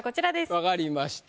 分かりました。